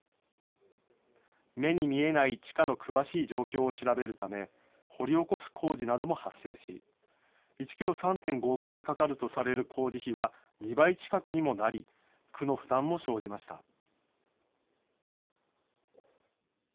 目に見えない地下の詳しい状況を調べるため、掘り起こす工事なども発生し、１キロ３．５億円かかるとされる工事費は、２倍近くにもなり、区の負担も生じました。